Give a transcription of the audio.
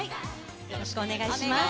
よろしくお願いします。